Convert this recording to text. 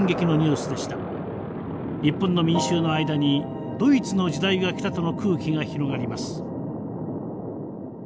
日本の民衆の間にドイツの時代が来たとの空気が広がります。